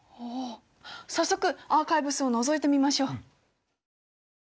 早速アーカイブスをのぞいてみましょう。